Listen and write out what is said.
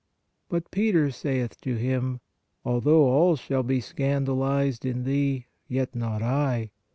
... But Peter saith to Him : Although all shall be scandalized in Thee, yet not I.